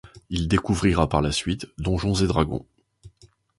Il découvrira par la suite Donjons et Dragons.